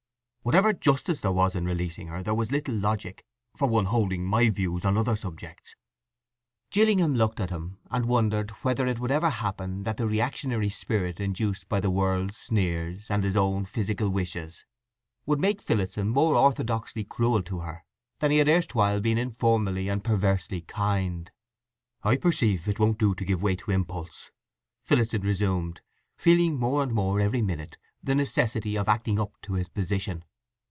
Whatever justice there was in releasing her, there was little logic, for one holding my views on other subjects." Gillingham looked at him, and wondered whether it would ever happen that the reactionary spirit induced by the world's sneers and his own physical wishes would make Phillotson more orthodoxly cruel to her than he had erstwhile been informally and perversely kind. "I perceive it won't do to give way to impulse," Phillotson resumed, feeling more and more every minute the necessity of acting up to his position.